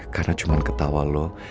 karena cuman ketawa lo